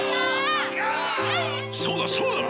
そうだそうだ！